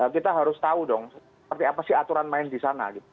kita harus tahu dong seperti apa sih aturan main di sana gitu